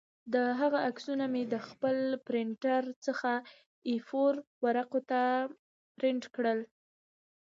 د هغه عکسونه مې د خپل پرنټر څخه اې فور ورقو کې پرنټ کړل